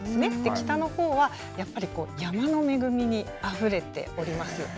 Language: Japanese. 北のほうはやっぱりこう山の恵みにあふれております。